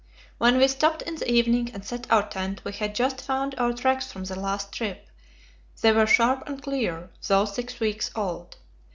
When we stopped in the evening and set our tent, we had just found our tracks from the last trip; they were sharp and clear, though six weeks old.